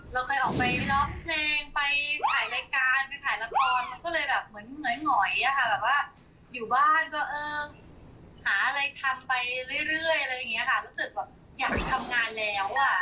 เราเคยออกไปร้องเพลงไปถ่ายรายการไปถ่ายละครมันก็เลยแบบเหมือนเหงอยอะค่ะแบบว่าอยู่บ้านก็เออหาอะไรทำไปเรื่อยอะไรอย่างนี้ค่ะรู้สึกแบบอยากทำงานแล้วอ่ะ